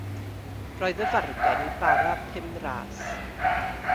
Roedd y fargen i bara pum ras.